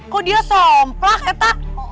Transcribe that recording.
kok dia somplak etak